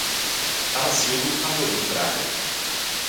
Aracildo Amorim Braga